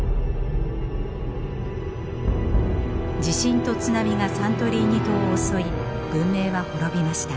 地震と津波がサントリーニ島を襲い文明は滅びました。